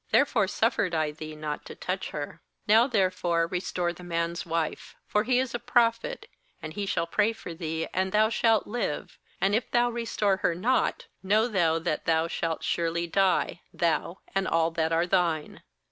Therefore suf fered I thee not to touch her. *Now therefore restore the man's wife; for he is a prophet, and he shall pray for thee, and thou shalt live; and if thou restore her not, know thou that thou shalt surely die, thou, and all that are thine.'